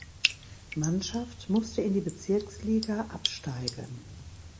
Mannschaft musste in die Bezirksliga absteigen.